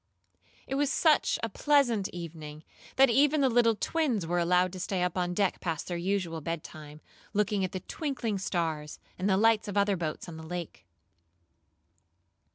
It was such a pleasant evening, that even the little twins were allowed to stay up on deck past their usual bedtime, looking at the twinkling stars, and the lights of other boats on the lake.